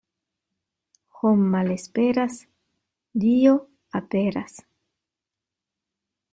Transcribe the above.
Hom' malesperas, Dio aperas.